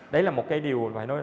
đấy là một cái điều phải nói là